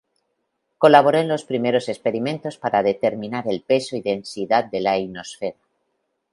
Colaboró en los primeros experimentos para determinar el peso y densidad de la ionosfera.